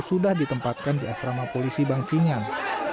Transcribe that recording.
sudah ditempatkan di asrama polisi bang tingan